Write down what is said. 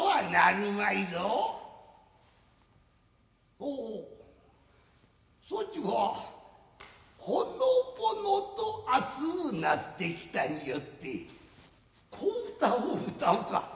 おおっそちはほのぼのと熱うなってきたによって小唄をうたうか。